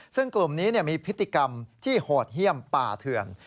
ซึ่งกลุ่มนี้มีพฤติกรรมที่โหดเยี่ยมป่าเถื่อน